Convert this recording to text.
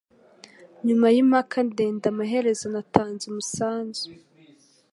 Nyuma yimpaka ndende, amaherezo natanze umusanzu.